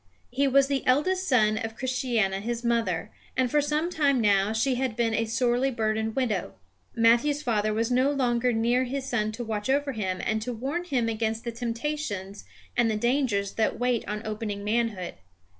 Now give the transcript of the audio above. He was the eldest son of Christiana his mother, and for some time now she had been a sorely burdened widow. Matthew's father was no longer near his son to watch over him and to warn him against the temptations and the dangers that wait on opening manhood.